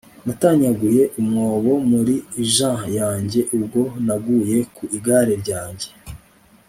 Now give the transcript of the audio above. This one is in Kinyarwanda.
Natanyaguye umwobo muri jeans yanjye ubwo naguye ku igare ryanjye